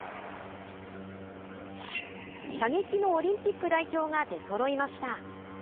射撃のオリンピック代表が出そろいました。